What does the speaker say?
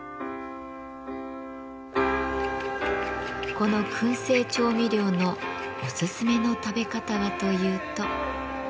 この燻製調味料のおすすめの食べ方はというと。